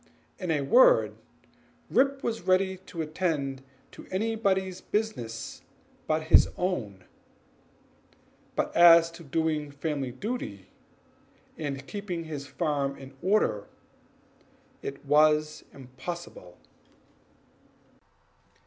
In a word, Rip was ready to attend to anybody's business but his own; but as to doing family duty, and keeping his farm in order, he found it impossible.